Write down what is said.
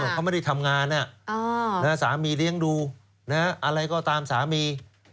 เขาไม่ได้ทำงานสามีเลี้ยงดูอะไรก็ตามสามี